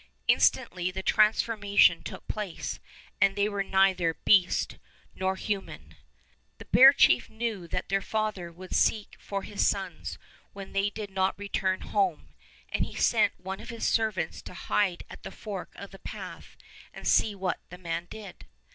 Instantly the transformation took place, and they were neither beast nor human. 72 Fairy Tale Bears The bear chief knew that their father would seek for his sons when they did not return home, and he sent one of his servants to hide at the fork of the path and see what the man did.